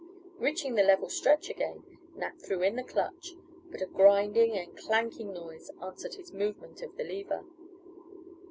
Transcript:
Reaching the level stretch again, Nat threw in the clutch, but a grinding and clanking noise answered his movement of the lever.